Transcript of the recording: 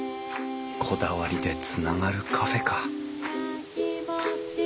こだわりでつながるカフェか。